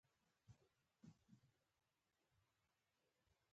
د اوترېش هېواد پلازمېنه وین دی